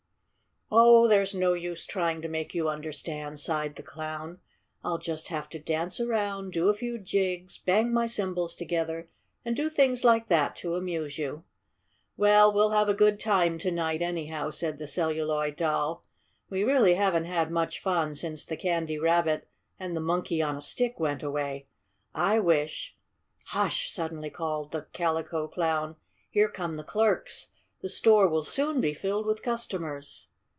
"Oh, there's no use trying to make you understand," sighed the Clown. "I'll just have to dance around, do a few jigs, bang my cymbals together, and do things like that to amuse you." "Well, we'll have a good time to night, anyhow," said the Celluloid Doll. "We really haven't had much fun since the Candy Rabbit and the Monkey on a Stick went away. I wish " "Hush!" suddenly called the Calico Clown. "Here come the clerks. The store will soon be filled with customers."